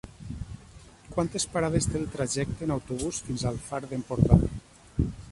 Quantes parades té el trajecte en autobús fins al Far d'Empordà?